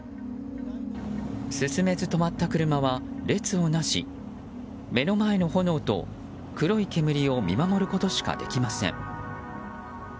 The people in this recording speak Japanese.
進めず止まった車は列をなし目の前の炎と黒い煙を見守ることしかできません。